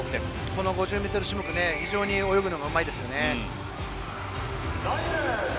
この５０ｍ種目非常に泳ぐのがうまいですね。